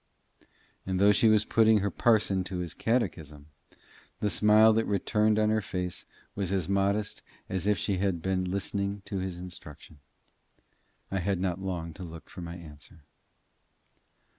And though she was putting her parson to his catechism, the smile that returned on her face was as modest as if she had only been listening to his instruction. I had not long to look for my answer.